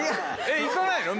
えっ行かないの？